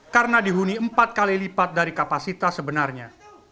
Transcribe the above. karena dihuni empat kali lipat dari kapasitas sebenarnya